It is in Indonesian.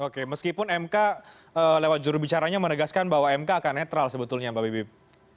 oke meskipun mk lewat jurubicaranya menegaskan bahwa mk akan netral sebetulnya mbak bibip